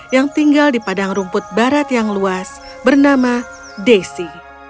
yang tinggal di padang rumput barat yang luas bernama desi